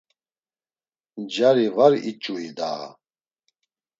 Cari var iç̌ui daha?